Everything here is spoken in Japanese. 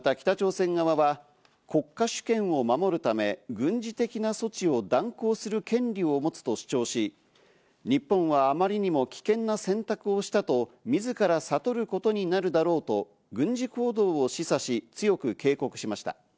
また北朝鮮側は、国家主権を守るため、軍事的な措置を断行する権利を持つと主張し、日本は、あまりにも危険な選択をしたと自ら悟ることになるだろうと軍事行動を示唆し、強く警告しました。